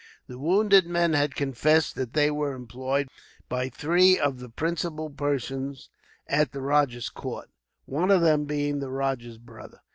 The wounded men had confessed that they were employed by three of the principal persons at the rajah's court, one of them being the rajah's brother.